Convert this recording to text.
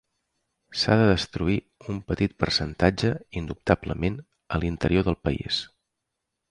S'ha de destruir un petit percentatge, indubtablement, a l'interior del país.